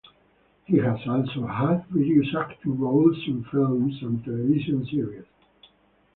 He has also had various acting roles in films and television series.